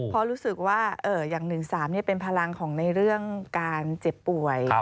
เพราะรู้สึกว่าอย่าง๑๓เป็นพลังของในเรื่องการเจ็บป่วย